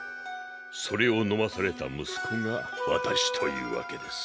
それを飲まされた息子が私というわけです。